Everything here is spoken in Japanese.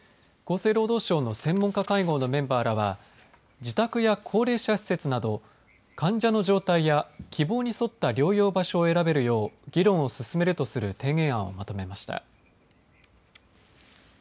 厚生労働省の専門家会合のメンバーらは自宅や高齢者施設など患者の状態や希望に沿った療養場所を選べるよう議論を進めるとする提言案をまとめました。